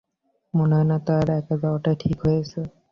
মনে হয় না তার একা যাওয়াটা ঠিক হয়েছে।